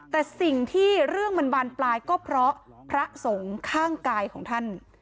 แต่สิ่งที่เรื่องมันบานปลายก็เพราะพระสงฆ์ข้างกายของท่าน